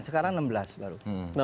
sekarang enam belas baru